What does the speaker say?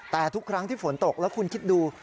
แต่ทุกครั้งที่ฝนตกแล้วคุณคิดดู